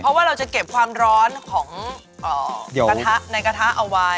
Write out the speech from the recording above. เพราะว่าเราจะเก็บความร้อนของกระทะในกระทะเอาไว้